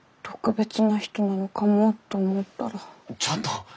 ちょっと！